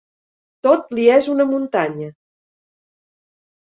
Tot li és una muntanya.